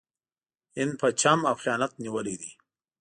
هند په چم او خیانت نیولی دی.